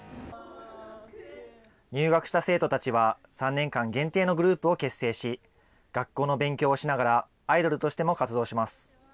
入学した生徒たちは、３年間限定のグループを結成し、学校の勉強をしながらアイドルとしても活動します。